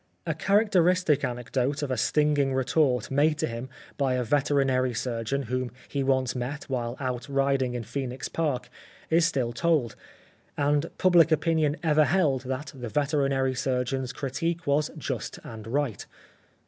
A characteristic anecdote of a stinging retort made to him by a veterinary surgeon whom he once met, while out riding in Phoenix Park, is still told, and public opinion ever held that the veterinary surgeon's critique was just and right.